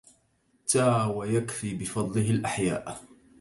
تى ويَكفي بفضله الأحياءَ